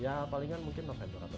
ya palingan mungkin november atau